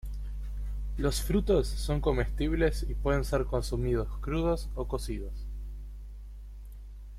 Los frutos son comestibles y pueden ser consumidos crudos o cocidos.